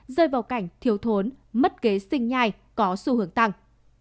rơi vào cảnh thiếu thốn mất kế sinh nhai có xu hướng tăng